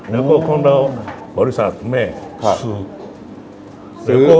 แล้วก็ของเราบริษัทแม่ซื้อ